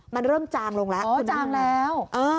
มันเริ่มจางลงแล้ว